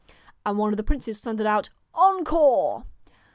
And one of the princes thundered out ' Encore